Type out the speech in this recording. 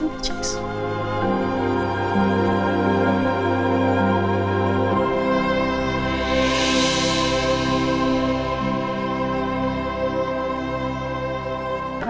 aku terima kasih mbak al